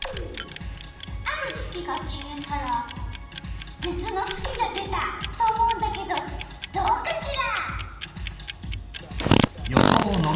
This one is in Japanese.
ある月が消えたらべつの月が出た！と思うんだけどどうかしら？